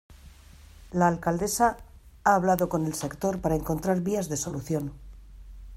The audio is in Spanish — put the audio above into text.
La alcaldesa ha hablado con el sector para encontrar vías de solución.